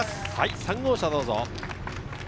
３号車、どうぞ。